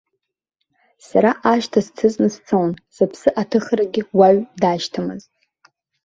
Сара ашҭа сҭыҵны сцон, сыԥсы аҭыхрагьы уаҩ дашьҭамызт.